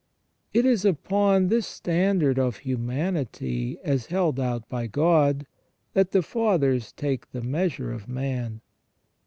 It is upon this standard of humanity, as held out by God, that the Fathers take the measure of man.